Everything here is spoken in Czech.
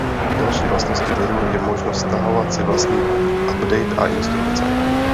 Další vlastností viru je možnost stahovat si vlastní update a instrukce.